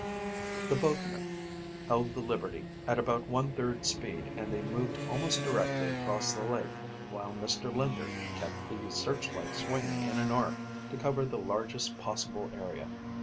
The boatman held the Liberty at about one third speed and they moved almost directly across the lake while Mr. Linder kept the searchlight swinging in an arc to cover the largest possible area.